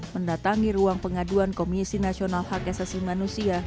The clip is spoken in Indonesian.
mendatangi ruang pengaduan komisi nasional hak asasi manusia